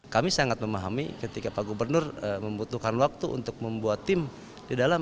kami sangat memahami ketika pak gubernur membutuhkan waktu untuk membuat tim di dalam